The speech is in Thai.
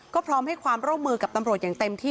ก็พร้อมให้ความร่วมมือกับตำรวจอย่างเต็มที่